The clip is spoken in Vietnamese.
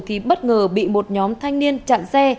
thì bất ngờ bị một nhóm thanh niên chặn xe